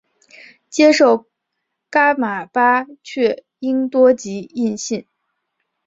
接受噶玛巴却英多吉印信。